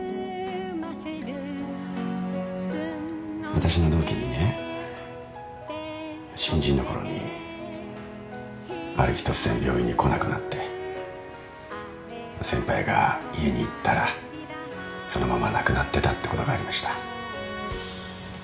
私の同期にね新人の頃にある日突然病院に来なくなって先輩が家に行ったらそのまま亡くなってたってことがありました。